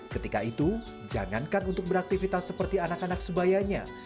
ketika itu jangankan untuk beraktivitas seperti anak anak sebayanya